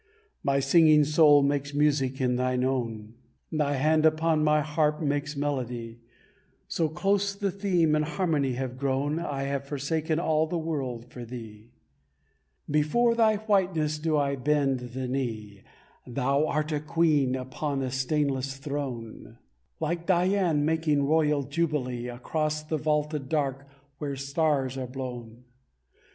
My singing soul makes music in thine own, Thy hand upon my harp makes melody; So close the theme and harmony have grown I have forsaken all the world for thee. Before thy whiteness do I bend the knee; Thou art a queen upon a stainless throne, Like Dian making royal jubilee, Across the vaulted dark where stars are blown.